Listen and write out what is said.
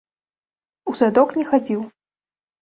У садок не хадзіў.